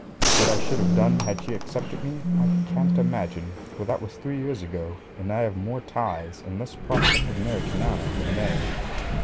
What I should have done had she accepted me, I can't imagine; for that was three years ago, and I have more ties and less prospect of marriage now than then.